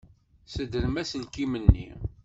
Ssedrem aselkim-nni.